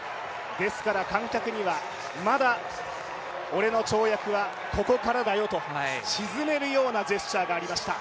観客にはまだ俺の跳躍はここからだよと静めるようなジェスチャーがありました。